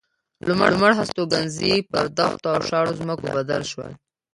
لومړ هستوګنځي پر دښتو او شاړو ځمکو بدل شول.